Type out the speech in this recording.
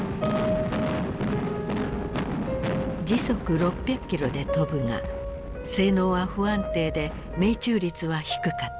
時速６００キロで飛ぶが性能は不安定で命中率は低かった。